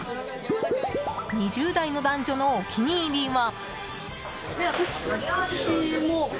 ２０代の男女のお気に入りは。